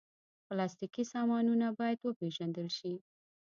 پلاستيکي سامانونه باید وپېژندل شي.